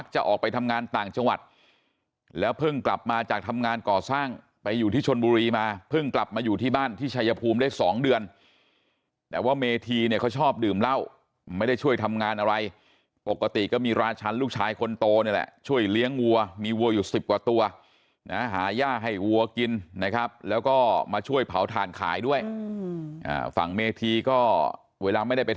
จะออกไปทำงานต่างจังหวัดแล้วเพิ่งกลับมาจากทำงานก่อสร้างไปอยู่ที่ชนบุรีมาเพิ่งกลับมาอยู่ที่บ้านที่ชายภูมิได้๒เดือนแต่ว่าเมธีเนี่ยเขาชอบดื่มเหล้าไม่ได้ช่วยทำงานอะไรปกติก็มีราชันลูกชายคนโตนี่แหละช่วยเลี้ยงวัวมีวัวอยู่สิบกว่าตัวนะหาย่าให้วัวกินนะครับแล้วก็มาช่วยเผาถ่านขายด้วยฝั่งเมธีก็เวลาไม่ได้ไป